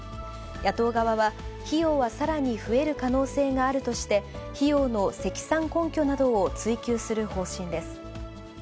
野党側は、費用はさらに増える可能性があるとして、費用の積算根拠などを追及する方針です。